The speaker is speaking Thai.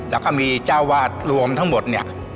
แล้วก็มีเจ้าวาดรวมทั้งหมดเนี่ย